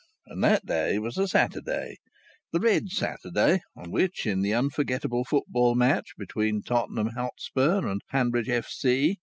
And that day was a Saturday, the red Saturday on which, in the unforgettable football match between Tottenham Hotspur and the Hanbridge F.C.